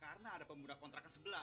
karena ada pembunuh kontrak ke sebelah kan